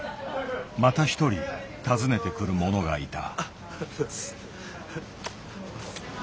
また一人訪ねてくる者がいた。